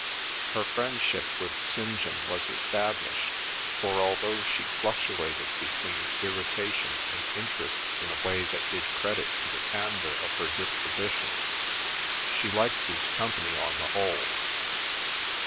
Her friendship with St. John was established, for although she fluctuated between irritation and interest in a way that did credit to the candour of her disposition, she liked his company on the whole.